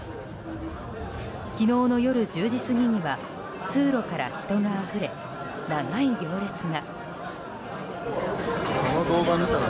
昨日の夜１０時過ぎには通路から人があふれ長い行列が。